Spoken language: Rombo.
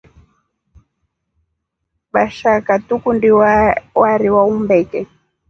Vashaka tukundii warii wa umbeke.